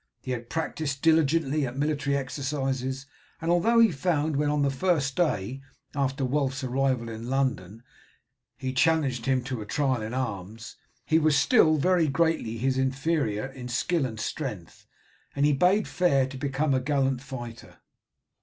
He had practised diligently at military exercises, and although he found when, on the first day after Wulf's arrival in London, he challenged him to a trial in arms, he was still very greatly his inferior in skill and strength, he bade fair to become a gallant fighter.